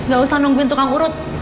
gausah nungguin tukang urut